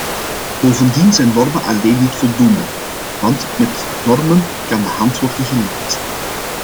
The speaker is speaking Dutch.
Bovendien zijn normen alleen niet voldoende, want met normen kan de hand worden gelicht.